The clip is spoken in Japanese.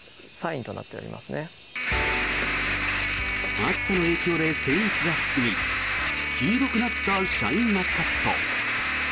暑さの影響で生育が進み黄色くなったシャインマスカット。